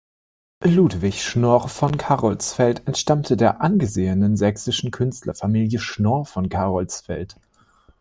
Ludwig Schnorr von Carolsfeld entstammte der angesehenen sächsischen Künstlerfamilie Schnorr von Carolsfeld.